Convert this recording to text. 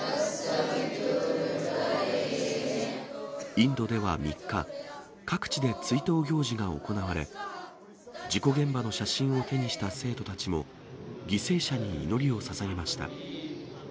インドでは３日、各地で追悼行事が行われ、事故現場の写真を手にした生徒たちも、犠牲者に祈りをささげました。